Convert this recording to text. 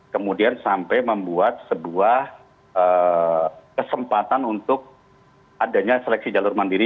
kemudian sampai membuat sebuah kesempatan untuk adanya seleksi jalur mandiri